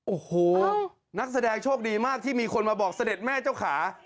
โอ้โหนักแสดงโชคดีมากที่มีคนมาบอกเสด็จแม่เจ้าขา